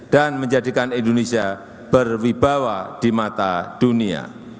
dan menjadikan indonesia berwibawa di mata dunia